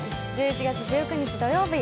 １１月１９日土曜日